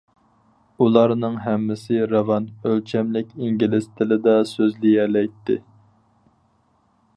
ئۇلارنىڭ ھەممىسى راۋان، ئۆلچەملىك ئىنگلىز تىلىدا سۆزلىيەلەيتتى.